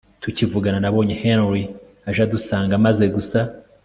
Tukivugana nabonye Henry aje adusanga maze gusa